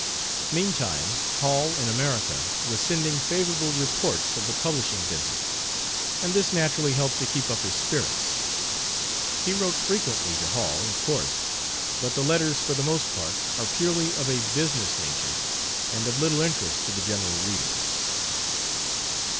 Meantime, Hall, in America, was sending favorable reports of the publishing business, and this naturally helped to keep up his spirits. He wrote frequently to Hall, of course, but the letters for the most part are purely of a business nature and of little interest to the general reader.